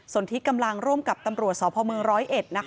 ส่วนที่กำลังร่วมกับตำรวจสพเมืองร้อยเอ็ด